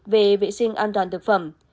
về vệ sinh an toàn thực phẩm